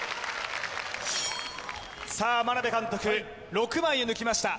さあ眞鍋監督６枚を抜きました